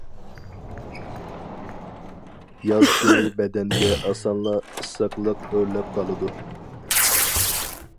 ياز كۈنى بەدەنگە ئاسانلا ئىسسىقلىق ئۆرلەپ قالىدۇ.